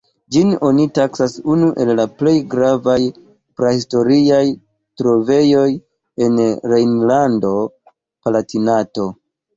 Ĝin oni taksas unu el la plej gravaj prahistoriaj trovejoj en Rejnlando-Palatinato.